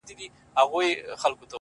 د ستني سر چــي د ملا له دره ولـويـــږي.